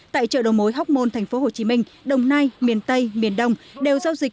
tại chợ đầu mối hóc môn tp hcm đồng nai miền tây miền đông đều giao dịch